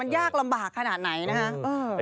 ยากลำบากขนาดไหนนะคะ